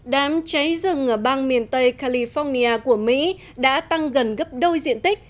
đám cháy rừng ở bang miền tây california của mỹ đã tăng gần gấp đôi diện tích